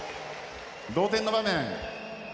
同点の場面。